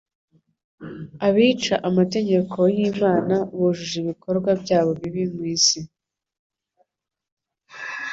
Abica amategeko y'Imana bujuje ibikorwa byabo bibi mu isi.